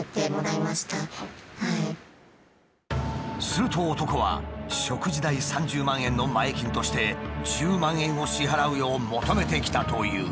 すると男は食事代３０万円の前金として１０万円を支払うよう求めてきたという。